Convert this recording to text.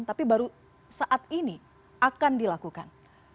tapi baru saat ini akan dilakukan